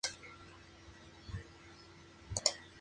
El primero en ser homenajeado fue Charly García.